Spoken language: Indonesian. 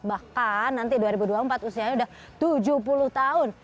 bahkan nanti dua ribu dua puluh empat usianya sudah tujuh puluh tahun